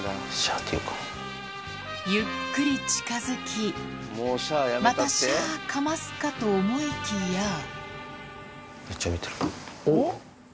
ゆっくり近づきまたシャかますかと思いきやめっちゃ見てるおっ。